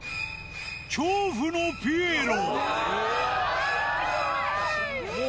恐怖のピエロ。